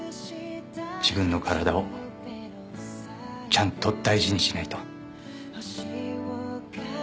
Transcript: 自分の体をちゃんと大事にしないと。